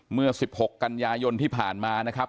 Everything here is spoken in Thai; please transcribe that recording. เมื่อ๑๖กรราณญายนต์ที่ผ่านมานะครับ